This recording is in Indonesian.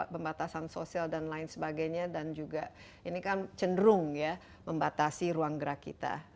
pembatasan sosial dan lain sebagainya dan juga ini kan cenderung ya membatasi ruang gerak kita